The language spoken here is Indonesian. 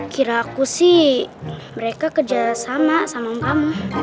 kira aku sih mereka kerja sama sama om kamu